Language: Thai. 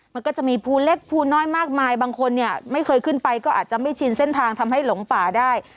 มันก็จะมีภูเล็กภูน้อยมากมายบางคนเนี่ยไม่เคยขึ้นไปก็อาจจะไม่ชินเส้นทางทำให้หลงป่าได้